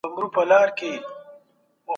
علم خپور کړئ.